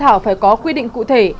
thỏa thuận phải có quy định cụ thể